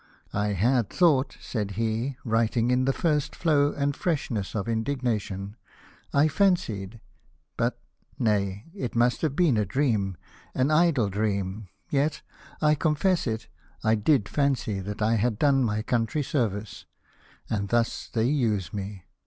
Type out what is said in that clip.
" I had thought," said he, writing in the first flow and freshness of indignation —" I fancied — but, nay, it must have been a dream, an idle dream — yet, I confess it, I did fancy that I had done my country service ; and thus they use me